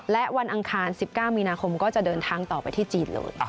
และวันอังคาร๑๙มีนาคมก็จะเดินทางต่อไปที่จีนเลย